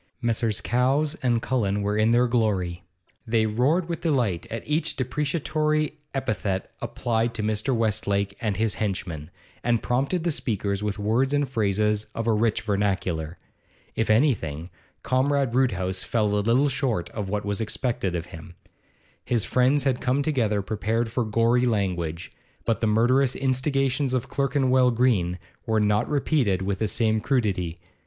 Messrs. Cowes and Cullen were in their glory; they roared with delight at each depreciatory epithet applied to Mr. Westlake and his henchmen, and prompted the speakers with words and phrases of a rich vernacular. If anything, Comrade Roodhouse fell a little short of what was expected of him. His friends had come together prepared for gory language, but the murderous instigations of Clerkenwell Green were not repeated with the same crudity.